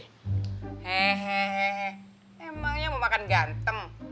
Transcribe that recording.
he he he emangnya mau makan ganteng